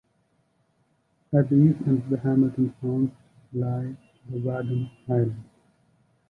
At the east end of "Hamilton Sound" lie the Wadham Islands.